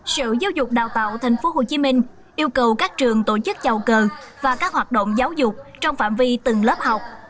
sở giáo dục đào tạo tp hcm yêu cầu các trường tổ chức chào cờ và các hoạt động giáo dục trong phạm vi từng lớp học